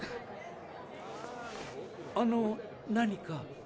あの何か？